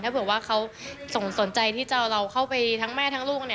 ถ้าเผื่อว่าเขาสนใจที่จะเอาเราเข้าไปทั้งแม่ทั้งลูก